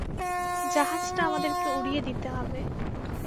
জাহাজটা আমাদেরকে উড়িয়ে দিতে হবে।